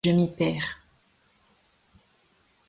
Je m’y perds.